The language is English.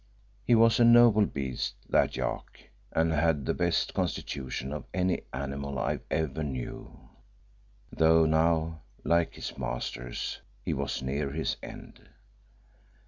He was a noble beast, that yak, and had the best constitution of any animal I ever knew, though now, like his masters, he was near his end.